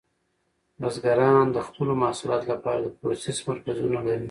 بزګران د خپلو محصولاتو لپاره د پروسس مرکزونه لري.